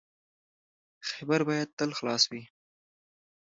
خیبر باید تل خلاص وي.